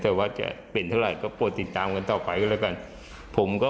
แต่ว่าจะเป็นเท่าไหร่ก็โปรดติดตามกันต่อไปก็แล้วกันผมก็